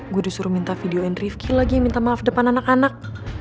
gue disuruh minta videoin rifqi lagi yang minta maaf depan anak anak